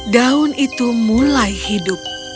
daun itu mulai hidup